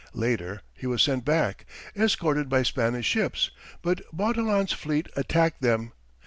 Later, he was sent back, escorted by Spanish ships, but Bautilan's fleet attacked them.